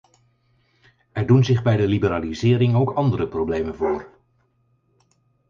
Er doen zich bij de liberalisering ook andere problemen voor.